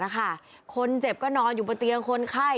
คนเจ็บก็นอนอยู่บนเตียงคนไข้